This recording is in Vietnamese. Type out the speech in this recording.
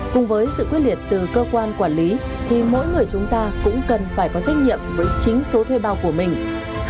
cùng với sự quyết liệt từ cơ quan quản lý thì mỗi người chúng ta cũng cần phải có trách nhiệm với chính số thuê bao của mình